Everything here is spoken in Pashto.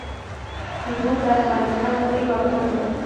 تیمور د افغانستان لوی واکمن وو.